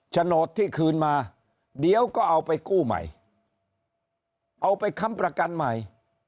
โฉนดที่คืนมาเดี๋ยวก็เอาไปกู้ใหม่เอาไปค้ำประกันใหม่